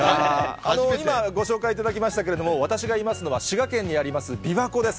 今、ご紹介いただきましたけれども、私がいますのは、滋賀県にありますびわ湖です。